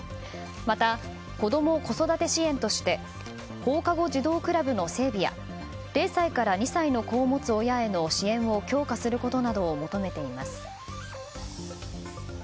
また、子供・子育て支援として放課後児童クラブの整備や０歳から２歳の子を持つ親への支援を強化することなどを求めています。